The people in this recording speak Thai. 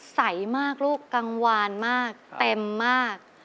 ใสมากลูกกังวานมากเต็มมาก